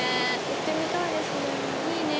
行ってみたいですね。